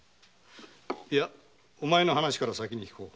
いやお前の話から先に聞こう。